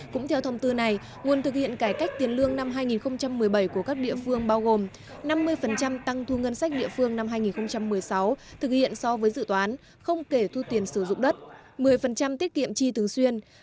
cũng theo thông tư này nguồn thực hiện cải cách tiền lương năm hai nghìn một mươi bảy của các địa phương bao gồm năm mươi tăng thu ngân sách địa phương năm hai nghìn một mươi sáu thực hiện so với dự toán không kể thu tiền sử dụng đất một mươi tiết kiệm chi thường xuyên